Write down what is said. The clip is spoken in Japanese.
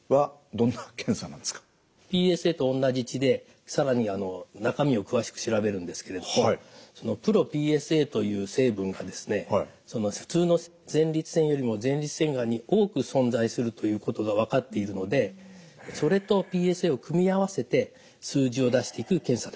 ＰＳＡと同じ血で更に中身を詳しく調べるんですけれどもｐｒｏＰＳＡという成分がですね普通の前立腺よりも前立腺がんに多く存在するということが分かっているのでそれとＰＳＡを組み合わせて数字を出していく検査です。